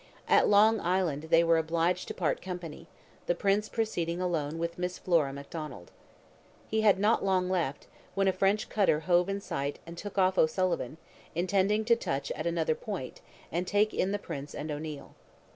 At Long Island they were obliged to part company, the prince proceeding alone with Miss Flora McDonald. He had not long left, when a French cutter hove in sight and took off O'Sullivan, intending to touch at another point, and take in the prince and O'Neil.